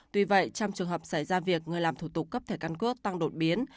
tuy vậy trong trường hợp xảy ra việc người làm thủ tục cấp thẻ căn cước tăng đột biến